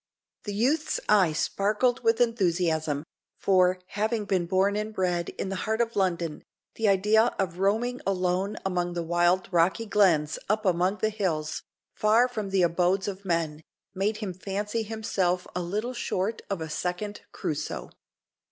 The youth's eye sparkled with enthusiasm; for, having been born and bred in the heart of London, the idea of roaming alone among wild rocky glens up among the hills, far from the abodes of men, made him fancy himself little short of a second Crusoe.